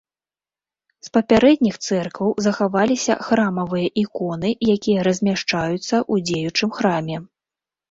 З папярэдніх цэркваў захаваліся храмавыя іконы, якія размяшчаюцца ў дзеючым храме.